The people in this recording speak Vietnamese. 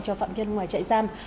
cho phạm nhân ngoài trại giam